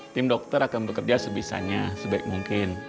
tim dokter akan bekerja sebisanya sebaik mungkin